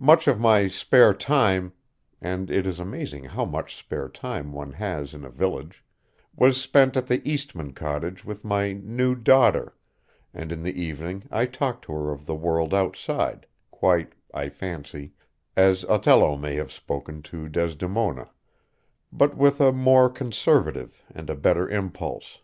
Much of my spare time and it is amazing how much spare time one has in a village was spent at the Eastmann cottage with my new daughter, and in the evening I talked to her of the world outside, quite, I fancy, as Othello may have spoken to Desdemona, but with a more conservative and a better impulse.